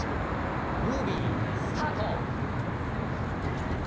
ムービースタート！